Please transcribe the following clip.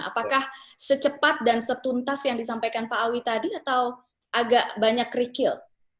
apakah secepat dan setuntas yang disampaikan pak awi tadi atau agak banyak kerikil